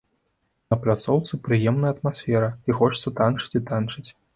На пляцоўцы прыемная атмасфера і хочацца танчыць і танчыць.